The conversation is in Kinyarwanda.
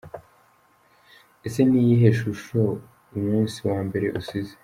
Ese ni iyihe shusho umunsi wa mbere usize?.